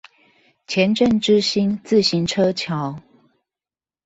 前鎮之星自行車橋